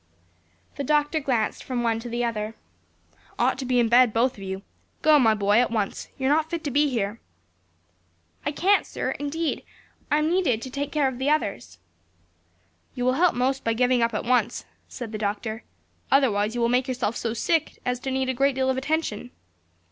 The doctor glanced from one to the other. "Ought to be in bed; both of you. Go my boy, at once; you are not fit to be here." "I can't, sir, indeed; I'm needed to take care of the others." "You will help most by giving up at once," said the doctor; "otherwise you will make yourself so sick as to need a great deal of attention."